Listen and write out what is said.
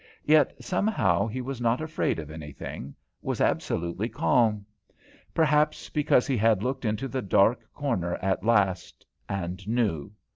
Yet somehow he was not afraid of anything, was absolutely calm; perhaps because he had looked into the dark corner at last, and knew.